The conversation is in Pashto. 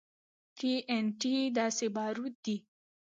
ټي ان ټي داسې باروت دي.